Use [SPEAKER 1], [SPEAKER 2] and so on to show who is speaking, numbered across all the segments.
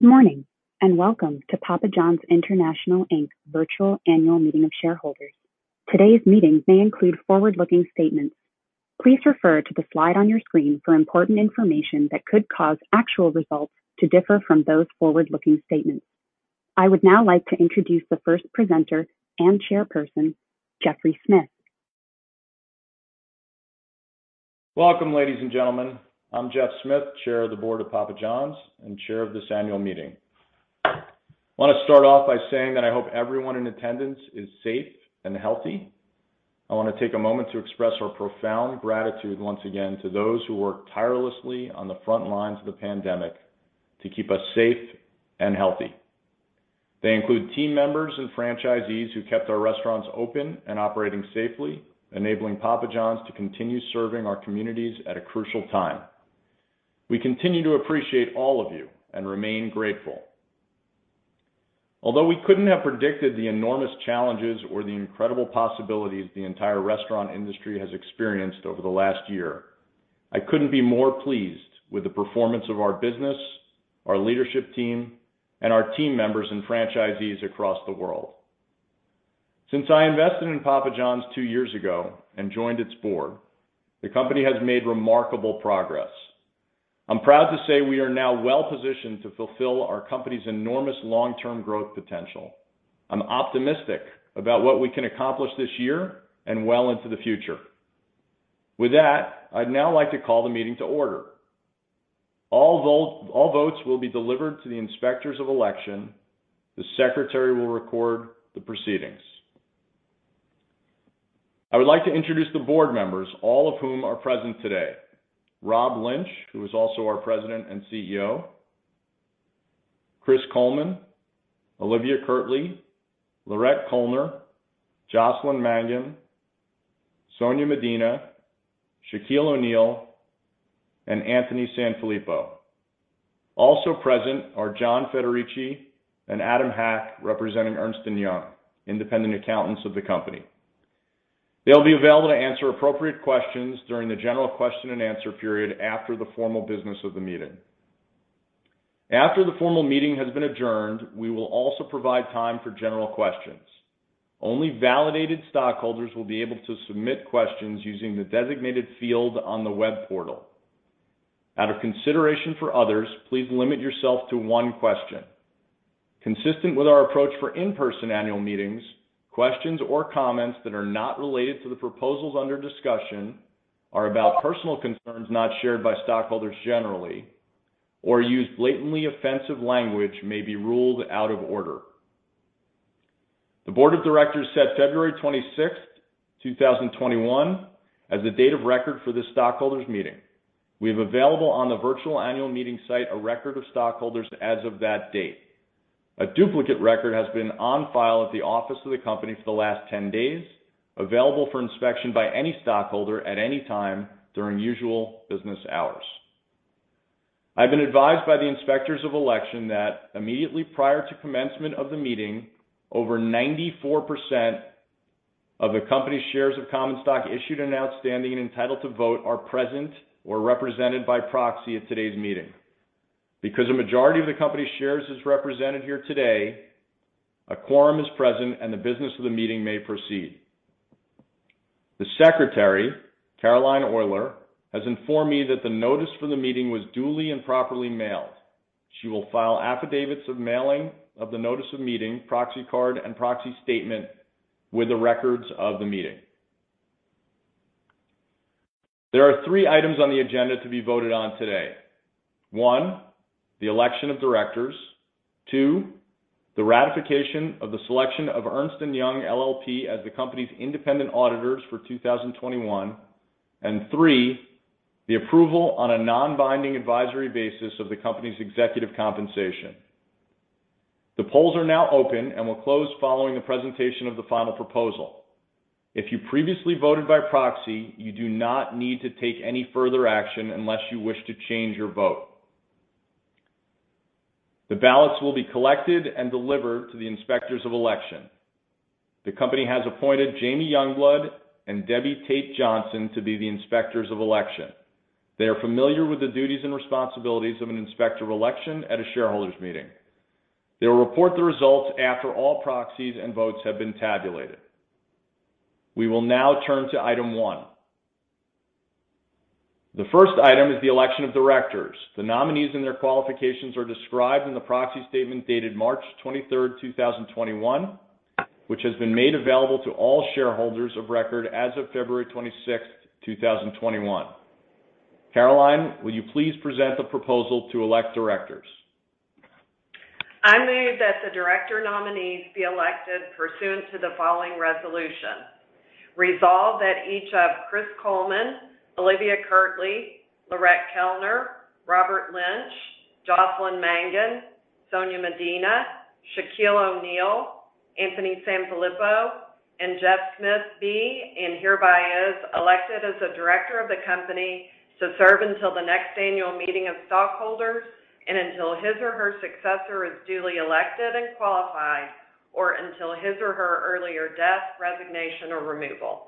[SPEAKER 1] Good morning, and welcome to Papa John's International Inc.'s virtual annual meeting of shareholders. Today's meeting may include forward-looking statements. Please refer to the slide on your screen for important information that could cause actual results to differ from those forward-looking statements. I would now like to introduce the first presenter and Chairperson, Jeffrey Smith.
[SPEAKER 2] Welcome, ladies and gentlemen. I'm Jeff Smith, Chair of the Board of Papa Johns, and chair of this annual meeting. I want to start off by saying that I hope everyone in attendance is safe and healthy. I want to take a moment to express our profound gratitude once again to those who work tirelessly on the front lines of the pandemic to keep us safe and healthy. They include team members and franchisees who kept our restaurants open and operating safely, enabling Papa John's to continue serving our communities at a crucial time. We continue to appreciate all of you and remain grateful. Although we couldn't have predicted the enormous challenges or the incredible possibilities the entire restaurant industry has experienced over the last year, I couldn't be more pleased with the performance of our business, our leadership team, and our team members and franchisees across the world. Since I invested in Papa John's two years ago and joined its board, the company has made remarkable progress. I'm proud to say we are now well-positioned to fulfill our company's enormous long-term growth potential. I'm optimistic about what we can accomplish this year and well into the future. With that, I'd now like to call the meeting to order. All votes will be delivered to the inspectors of election. The secretary will record the proceedings. I would like to introduce the board members, all of whom are present today. Rob Lynch, who is also our president and Chief Executive Officer, Chris Coleman, Olivia Kirtley, Laurette Koellner, Jocelyn Mangan, Sonya Medina, Shaquille O'Neal, and Anthony Sanfilippo. Also present are John Federici and Adam Hack, representing Ernst & Young, independent accountants of the company. They'll be available to answer appropriate questions during the general question and answer period after the formal business of the meeting. After the formal meeting has been adjourned, we will also provide time for general questions. Only validated stockholders will be able to submit questions using the designated field on the web portal. Out of consideration for others, please limit yourself to one question. Consistent with our approach for in-person annual meetings, questions or comments that are not related to the proposals under discussion are about personal concerns not shared by stockholders generally or use blatantly offensive language may be ruled out of order. The Board of Directors set February 26th, 2021, as the date of record for this stockholders meeting. We have available on the virtual annual meeting site a record of stockholders as of that date. A duplicate record has been on file at the office of the company for the last 10 days, available for inspection by any stockholder at any time during usual business hours. I've been advised by the inspectors of election that immediately prior to commencement of the meeting, over 94% of the company's shares of common stock issued and outstanding and entitled to vote are present or represented by proxy at today's meeting. Because a majority of the company's shares is represented here today, a quorum is present, and the business of the meeting may proceed. The secretary, Caroline Oyler, has informed me that the notice for the meeting was duly and properly mailed. She will file affidavits of mailing of the notice of meeting, proxy card, and proxy statement with the records of the meeting. There are three items on the agenda to be voted on today. One, the election of directors. Two, the ratification of the selection of Ernst & Young LLP as the company's independent auditors for 2021, and three, the approval on a non-binding advisory basis of the company's executive compensation. The polls are now open and will close following the presentation of the final proposal. If you previously voted by proxy, you do not need to take any further action unless you wish to change your vote. The ballots will be collected and delivered to the inspectors of election. The company has appointed Jamie Youngblood and Debbie Tate Johnson to be the inspectors of election. They are familiar with the duties and responsibilities of an inspector of election at a shareholders meeting. They will report the results after all proxies and votes have been tabulated. We will now turn to item one. The first item is the election of directors. The nominees and their qualifications are described in the proxy statement dated March 23rd, 2021, which has been made available to all shareholders of record as of February 26th, 2021. Caroline, will you please present the proposal to elect Directors?
[SPEAKER 3] I move that the Director nominees be elected pursuant to the following resolution. Resolve that each of Chris Coleman, Olivia Kirtley, Laurette Koellner, Robert Lynch, Jocelyn Mangan, Sonya Medina, Shaquille O'Neal, Anthony Sanfilippo, and Jeff Smith be, and hereby is, elected as a director of the company to serve until the next annual meeting of stockholders and until his or her successor is duly elected and qualified, or until his or her earlier death, resignation, or removal.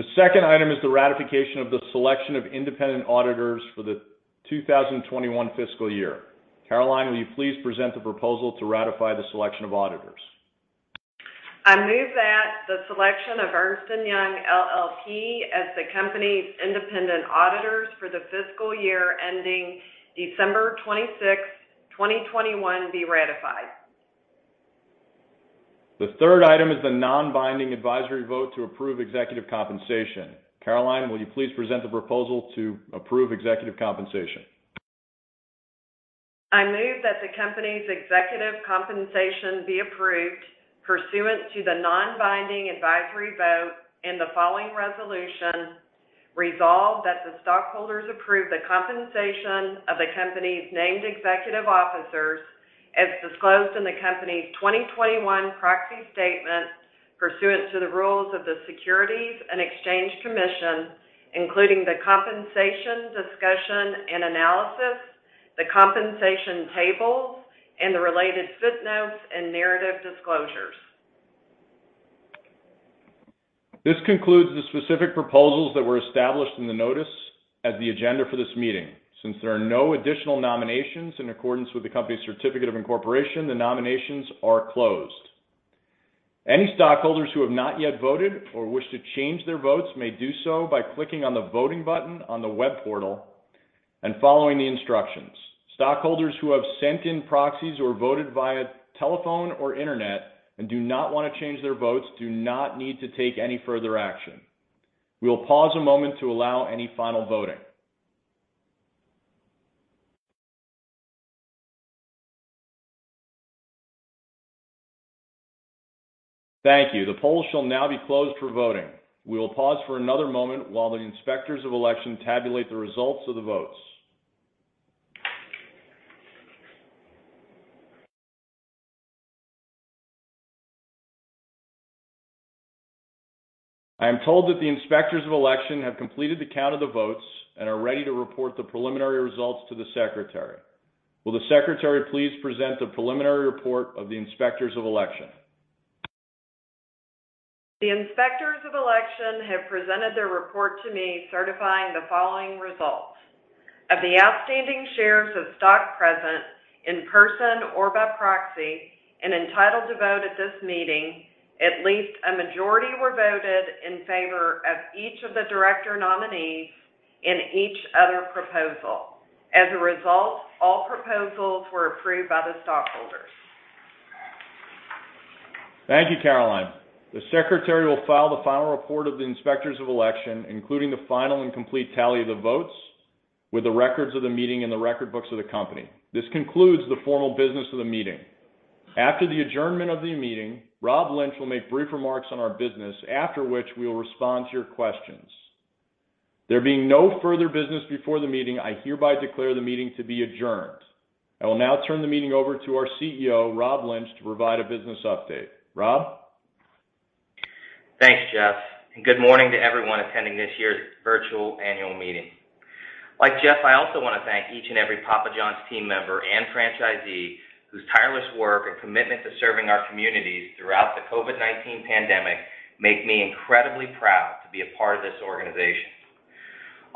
[SPEAKER 2] The second item is the ratification of the selection of independent auditors for the 2021 fiscal year. Caroline, will you please present the proposal to ratify the selection of Auditors?
[SPEAKER 3] I move that the selection of Ernst & Young LLP as the company's independent auditors for the fiscal year ending December 26th, 2021, be ratified.
[SPEAKER 2] The third item is the non-binding advisory vote to approve executive compensation. Caroline, will you please present the proposal to approve Executive Compensation?
[SPEAKER 3] I move that the company's Executive Compensation be approved pursuant to the non-binding advisory vote in the following resolution. Resolved that the stockholders approve the compensation of the company's named executive officers as disclosed in the company's 2021 proxy statement pursuant to the rules of the Securities and Exchange Commission, including the compensation discussion and analysis, the compensation tables, and the related footnotes and narrative disclosures.
[SPEAKER 2] This concludes the specific proposals that were established in the notice as the agenda for this meeting. Since there are no additional nominations in accordance with the company's certificate of incorporation, the nominations are closed. Any stockholders who have not yet voted or wish to change their votes may do so by clicking on the voting button on the web portal and following the instructions. Stockholders who have sent in proxies or voted via telephone or internet and do not want to change their votes do not need to take any further action. We will pause a moment to allow any final voting. Thank you. The polls shall now be closed for voting. We will pause for another moment while the inspectors of election tabulate the results of the votes. I am told that the inspectors of election have completed the count of the votes and are ready to report the preliminary results to the secretary. Will the secretary please present the preliminary report of the Inspectors of Election?
[SPEAKER 3] The Inspectors of Election have presented their report to me certifying the following results. Of the outstanding shares of stock present in person or by proxy and entitled to vote at this meeting, at least a majority were voted in favor of each of the director nominees and each other proposal. As a result, all proposals were approved by the stockholders.
[SPEAKER 2] Thank you, Caroline. The secretary will file the final report of the inspectors of election, including the final and complete tally of the votes, with the records of the meeting in the record books of the company. This concludes the formal business of the meeting. After the adjournment of the meeting, Rob Lynch will make brief remarks on our business, after which we will respond to your questions. There being no further business before the meeting, I hereby declare the meeting to be adjourned. I will now turn the meeting over to our Chief Executive Officer, Rob Lynch, to provide a business update. Rob?
[SPEAKER 4] Thanks, Jeff. Good morning to everyone attending this year's virtual annual meeting. Like Jeff, I also want to thank each and every Papa John's team member and franchisee whose tireless work and commitment to serving our communities throughout the COVID-19 pandemic make me incredibly proud to be a part of this organization.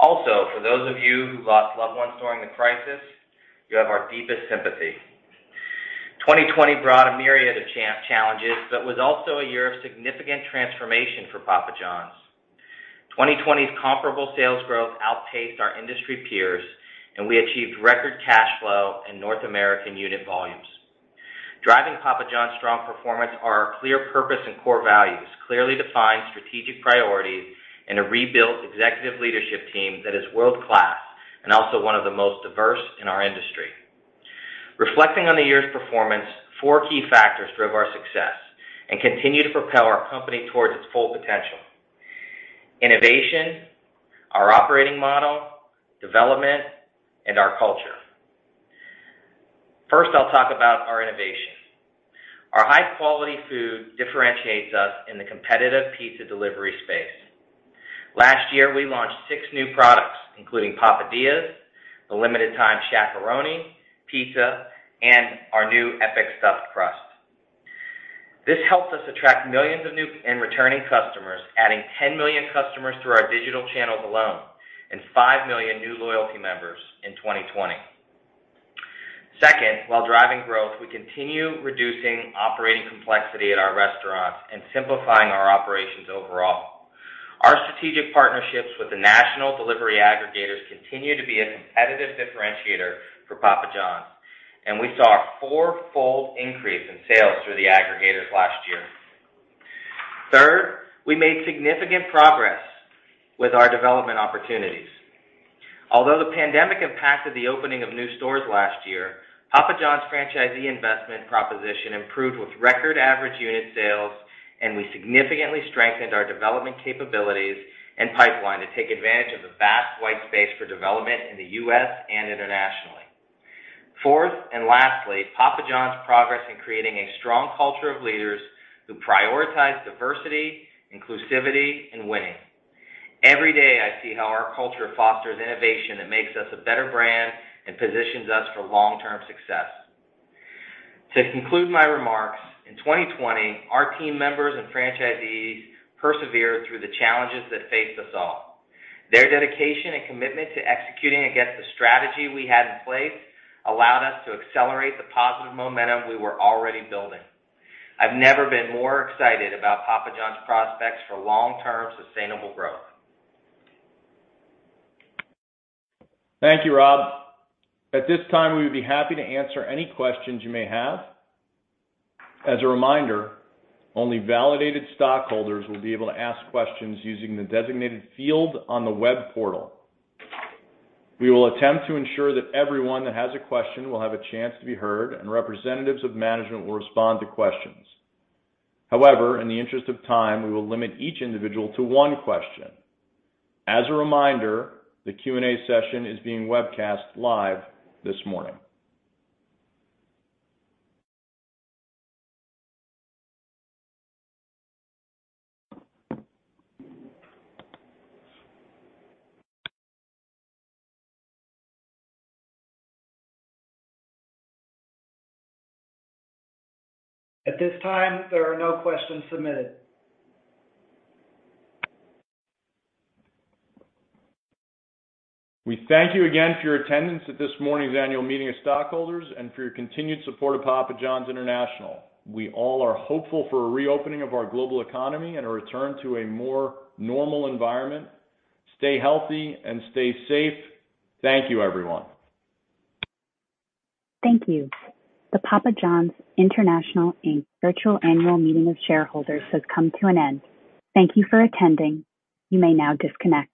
[SPEAKER 4] For those of you who lost loved ones during the crisis, you have our deepest sympathy. 2020 brought a myriad of challenges, but was also a year of significant transformation for Papa John's. 2020's comparable sales growth outpaced our industry peers, and we achieved record cash flow in North American unit volumes. Driving Papa John's strong performance are our clear purpose and core values, clearly defined strategic priorities, and a rebuilt executive leadership team that is world-class and also one of the most diverse in our industry. Reflecting on the year's performance, four key factors drove our success and continue to propel our company towards its full potential: innovation, our operating model, development, and our culture. First, I'll talk about our innovation. Our high-quality food differentiates us in the competitive pizza delivery space. Last year, we launched six new products, including Papadias, the limited time Shaq-a-Roni pizza, and our new Epic Stuffed Crust. This helped us attract millions of new and returning customers, adding 10 million customers through our digital channels alone and five million new loyalty members in 2020. Second, while driving growth, we continue reducing operating complexity at our restaurants and simplifying our operations overall. Our strategic partnerships with the national delivery aggregators continue to be a competitive differentiator for Papa John's, and we saw a four-fold increase in sales through the aggregators last year. Third, we made significant progress with our development opportunities. Although the pandemic impacted the opening of new stores last year, Papa John's franchisee investment proposition improved with record average unit sales, and we significantly strengthened our development capabilities and pipeline to take advantage of the vast white space for development in the U.S. and internationally. Fourth, lastly, Papa John's progress in creating a strong culture of leaders who prioritize diversity, inclusivity, and winning. Every day, I see how our culture fosters innovation that makes us a better brand and positions us for long-term success. To conclude my remarks, in 2020, our team members and franchisees persevered through the challenges that faced us all. Their dedication and commitment to executing against the strategy we had in place allowed us to accelerate the positive momentum we were already building. I've never been more excited about Papa John's prospects for long-term sustainable growth.
[SPEAKER 2] Thank you, Rob. At this time, we would be happy to answer any questions you may have. As a reminder, only validated stockholders will be able to ask questions using the designated field on the web portal. We will attempt to ensure that everyone that has a question will have a chance to be heard, and representatives of management will respond to questions. However, in the interest of time, we will limit each individual to one question. As a reminder, the Q&A session is being webcast live this morning.
[SPEAKER 3] At this time, there are no questions submitted.
[SPEAKER 2] We thank you again for your attendance at this morning's annual meeting of stockholders and for your continued support of Papa John's International. We all are hopeful for a reopening of our global economy and a return to a more normal environment. Stay healthy and stay safe. Thank you, everyone.
[SPEAKER 1] Thank you. The Papa John's International Inc. virtual annual meeting of shareholders has come to an end. Thank you for attending. You may now disconnect.